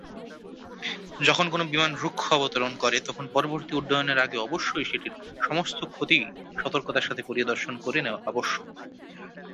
যখন কোনও বিমান রুক্ষ অবতরণ করে, তখন পরবর্তী উড্ডয়নের আগে অবশ্যই সেটির সমস্ত ক্ষতি সতর্কতার সাথে পরিদর্শন করে নেওয়া আবশ্যক।